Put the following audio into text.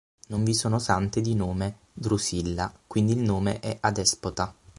Non vi sono sante di nome Drusilla, quindi il nome è adespota.